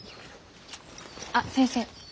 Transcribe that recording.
あっ先生。